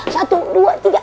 satu dua tiga